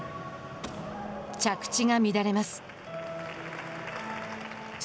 着地が乱れます。